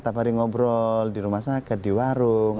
setiap hari ngobrol di rumah sakit di warung